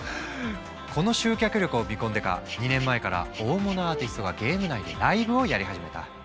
この集客力を見込んでか２年前から大物アーティストがゲーム内でライブをやり始めた。